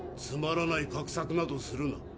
つまらない画策などするな。